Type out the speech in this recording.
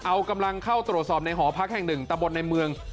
เอากำลังเข้าตรวจสอบในหอพักแห่งหนึ่งตะบนในเมือง